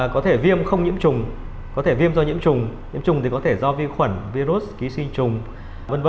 có thể viêm không nhiễm trùng có thể viêm do nhiễm trùng nhiễm trùng thì có thể do vi khuẩn virus ký sinh trùng v v